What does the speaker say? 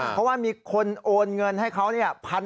เพราะว่ามีคนโอนเงินให้เขา